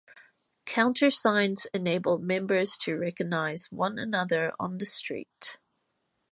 Countersigns enabled members to recognize one another on the street.